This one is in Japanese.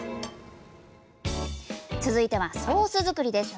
続いてはソース作りです。